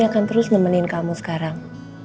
akan terus nemenin kamu sekarang